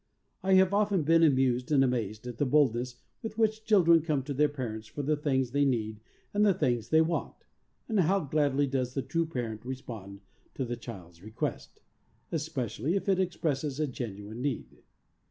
I have often been amused and amazed at the boldness with which chil dren come to their parents for the things they need and the things they want, and how gladly does the true parent respond to the 22 THE soul winner's secret. child's request, especially if it expresses a genuine need